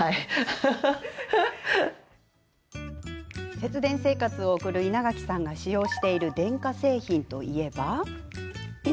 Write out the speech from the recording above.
節電生活を送る稲垣さんが使用している電化製品といえば。